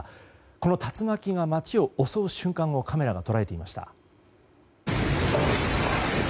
この竜巻が街を襲う瞬間をカメラが捉えていました。